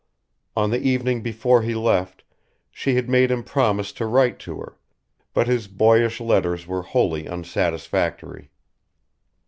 On the evening before he left she had made him promise to write to her, but his boyish letters were wholly unsatisfactory.